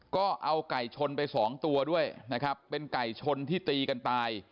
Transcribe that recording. ก็เอาไก่ชนไปสองตัวด้วยนะครับเป็นไก่ชนที่ตีกันตาย